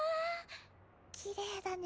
きれいだね。